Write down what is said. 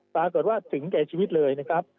ปรากฏว่าถึงแก่ชีวิตเลย